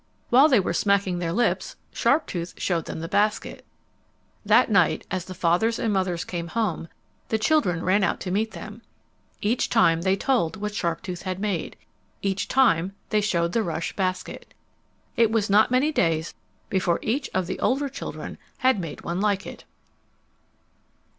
While they were smacking their lips, Sharptooth showed them the basket. That night as the fathers and mothers came home, the children ran out to meet them. Each time they told what Sharptooth had made. Each time they showed the rush basket. It was not many days before each of the older children had made one like it.